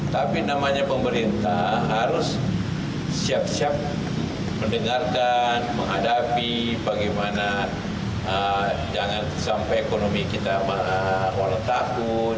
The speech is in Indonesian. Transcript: tapi namanya pemerintah harus siap siap mendengarkan menghadapi bagaimana jangan sampai ekonomi kita walaupun takut